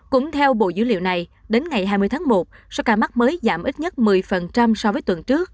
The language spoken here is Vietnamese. cũng theo bộ dữ liệu này đến ngày hai mươi tháng một số ca mắc mới giảm ít nhất một mươi so với tuần trước